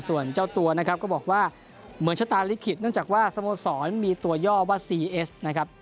ส่วนเจ้าตัวนะครับก็บอกว่าเหมือนชะตาลิขิตเนื่องจากว่าสโมสรมีตัวย่อว่าซีเอสนะครับ